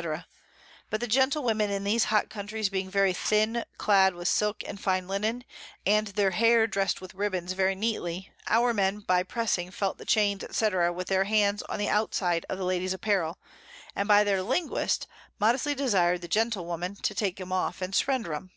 _ but the Gentlewomen in these hot Countries being very thin clad with Silk and fine Linnen, and their Hair dressed with Ribbons very neatly, our Men by pressing felt the Chains, &c. with their Hands on the Out side of the Lady's Apparel, and by their Linguist modestly desired the Gentlewomen to take 'em off and surrender 'em.